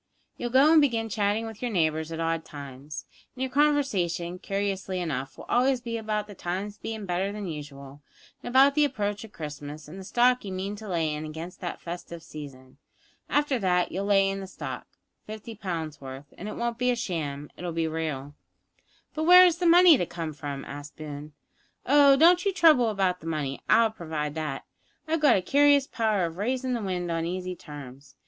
You'll go an' begin chatting with your neighbours at odd times, and your conversation, curiously enough, will always be about the times bein' better than usual, an' about the approach of Christmas, an' the stock you mean to lay in against that festive season. After that you'll lay in the stock fifty pounds' worth; and it won't be sham; it'll be real " "But where is the money to come from?" asked Boone. "Oh, don't you trouble about the money; I'll provide that. I've a curious power of raisin' the wind on easy terms.